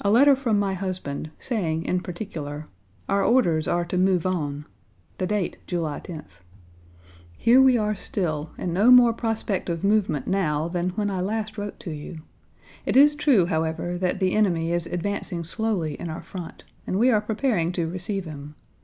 A letter from my husband saying, in particular: "Our orders are to move on," the date, July 10th. "Here we are still and no more prospect of movement now than when I last wrote to you. It is true, however, that the enemy is advancing slowly in our front, and we are preparing to receive him.